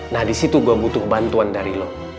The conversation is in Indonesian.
nah disitu gue butuh bantuan dari lo